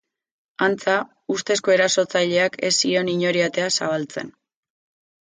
Antza, ustezko erasotzaileak ez zion inori atea zabaltzen.